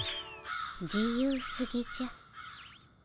自由すぎじゃ。